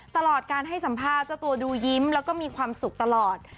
ตลอดการให้สัมภาษณ์เจ้าตัวดูยิ้มแล้วก็มีความสุขตลอด